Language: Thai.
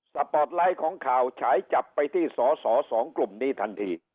ปปไลท์ของข่าวฉายจับไปที่สอสอสองกลุ่มนี้ทันที